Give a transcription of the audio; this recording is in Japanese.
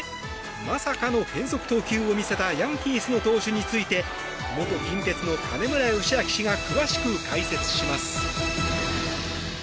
まさかの変則投球を見せたヤンキースの投手について元近鉄の金村義明氏が詳しく解説します。